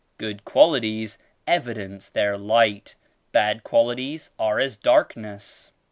Good qualities evidence their light; bad qualities are as darkness.